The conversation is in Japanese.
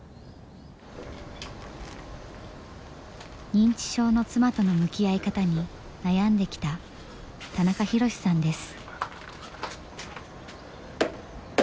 認知症の妻との向き合い方に悩んできた田中博さんです。